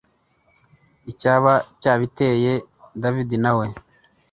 icyaba cyabiteye david nawe